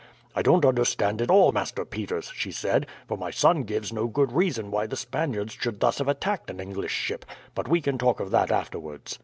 "'I don't understand it all, Master Peters,' she said, 'for my son gives no good reason why the Spaniards should thus have attacked an English ship; but we can talk of that afterwards.